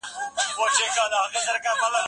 موږ ترتيب جوړوو.